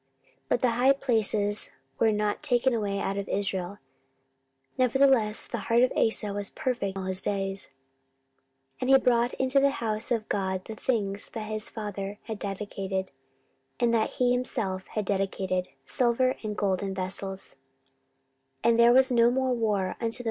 14:015:017 But the high places were not taken away out of Israel: nevertheless the heart of Asa was perfect all his days. 14:015:018 And he brought into the house of God the things that his father had dedicated, and that he himself had dedicated, silver, and gold, and vessels.